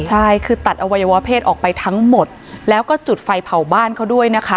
ใช่คือตัดอวัยวะเพศออกไปทั้งหมดแล้วก็จุดไฟเผาบ้านเขาด้วยนะคะ